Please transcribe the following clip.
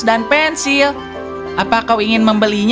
dan pensil apa kau ingin mencoba ini untukmu